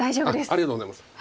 ありがとうございます。